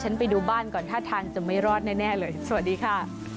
ไปดูบ้านก่อนท่าทางจะไม่รอดแน่เลยสวัสดีค่ะ